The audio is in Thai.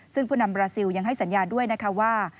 ซึ่งผู้นำบราซิลยังให้สัญญาด้วยนะคะว่า